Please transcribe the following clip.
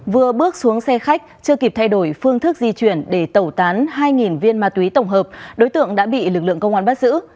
vừa bước xuống xe khách chưa kịp thay đổi phương thức di chuyển để tẩu tán hai viên ma túy tổng hợp đối tượng đã bị lực lượng công an bắt giữ